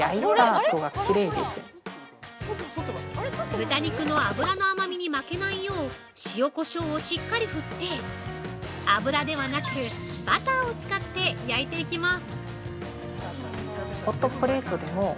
◆豚肉の脂の甘みに負けないよう塩こしょうをしっかり振って油ではなくバターを使って焼いていきます。